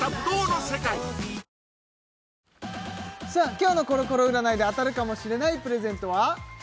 今日のコロコロ占いで当たるかもしれないプレゼントは？